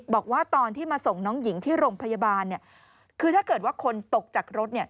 บอกว่าตอนที่มาส่งน้องหญิงที่โรงพยาบาลเนี่ยคือถ้าเกิดว่าคนตกจากรถเนี่ย